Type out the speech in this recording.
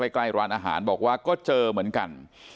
ใกล้ร้านอาหารบอกว่าก็เจอเหมือนกัน